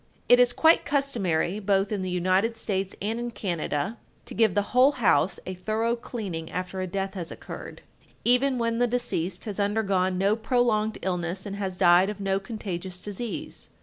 It is quite customary, both in the United States and in Canada, to give the whole house a thorough cleaning after a death has occurred, even when the deceased has undergone no prolonged illness and has died of no contagious disease.